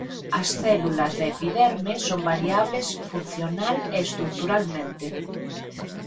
As células da epiderme son variables funcional e estruturalmente.